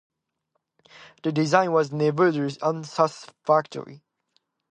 The design was nevertheless unsatisfactory.